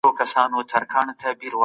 حماقت تر هر څه ډیر دوام کوي.